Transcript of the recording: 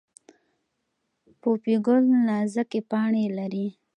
پوپی ګل نازکې پاڼې لري